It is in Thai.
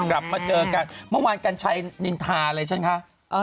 กลับมาเจอกันเมื่อวานกันใช้นินทาอะไรใช่ไหมคะเอ่อ